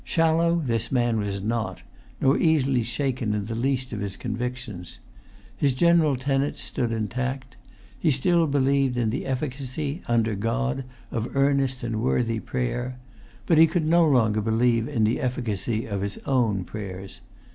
Shallow this man was not, nor easily shaken in the least of his convictions. His general tenets stood intact. He still believed in the efficacy, under God, of earnest and worthy prayer. But he could no longer believe in the efficacy of his own prayers.